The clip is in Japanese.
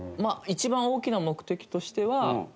一番大きな目的としては愛。